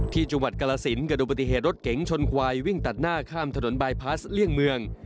ที่จังหวัดกรสินเกิดดูปฏิเหตุรถเก๋งชนควายวิ่งตัดหน้าข้ามถนนบายพลาสเลี่ยงเมือง